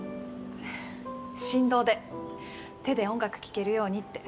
振動で手で音楽聴けるようにって。